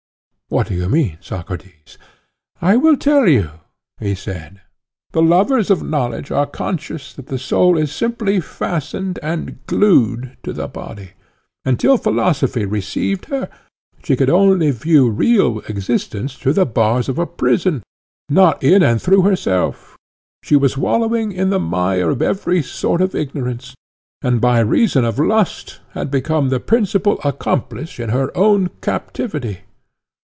What do you mean, Socrates? I will tell you, he said. The lovers of knowledge are conscious that the soul was simply fastened and glued to the body—until philosophy received her, she could only view real existence through the bars of a prison, not in and through herself; she was wallowing in the mire of every sort of ignorance; and by reason of lust had become the principal accomplice in her own captivity.